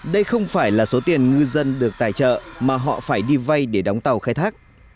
đây không phải là số tiền ngư dân được tài trợ mà họ phải đi vay để đóng tàu khai thác